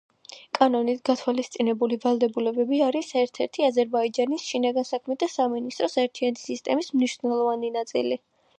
კანონით გათვალისწინებული ვალდებულებები არის ერთ-ერთი აზერბაიჯანის შინაგან საქმეთა სამინისტროს ერთიანი სისტემის მნიშვნელოვანი ნაწილი.